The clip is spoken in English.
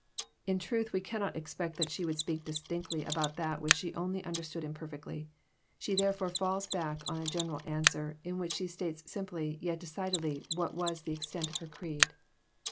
In truth, we cannot ex pect that she would speak distinctly about that which she only understood imperfectly. She therefore falls back on a general answer, in which she states simply, yet decidedly, what was the extent of her creed.